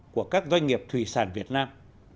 của các doanh nghiệp thủy sản việt nam